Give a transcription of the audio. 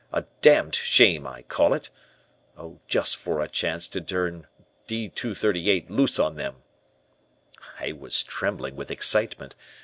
A damned shame I call it. Oh, just for a chance to turn D 238 loose on them.' "I was trembling with excitement.